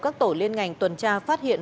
các tổ liên ngành tuần tra phát hiện